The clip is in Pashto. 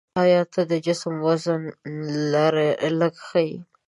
آیا تله د جسم وزن لږ ښيي؟